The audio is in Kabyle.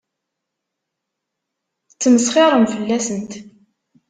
Ttmesxiṛen fell-asent.